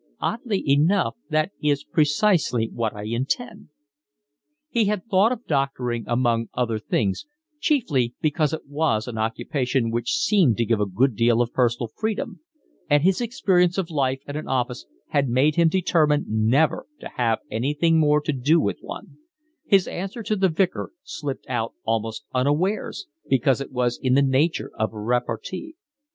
"Oddly enough that is precisely what I intend." He had thought of doctoring among other things, chiefly because it was an occupation which seemed to give a good deal of personal freedom, and his experience of life in an office had made him determine never to have anything more to do with one; his answer to the Vicar slipped out almost unawares, because it was in the nature of a repartee.